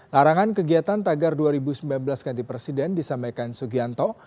larangan kegiatan tagar dua ribu sembilan belas ganti presiden disampaikan sugianto